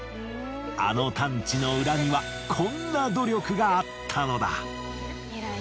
あの探知の裏にはこんな努力があったのだ。